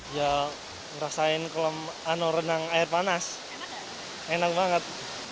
ya ngerasain renang air panas enak banget